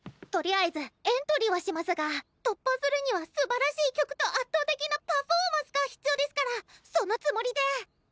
とりあえずエントリーはしますが突破するにはすばらしい曲と圧倒的なパフォーマンスが必要ですからそのつもりで！